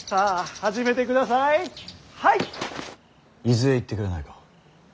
伊豆へ行ってくれないか。